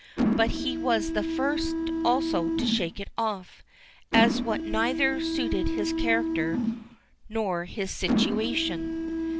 But he was the first also to shake it off, as what neither suited his character nor his situation.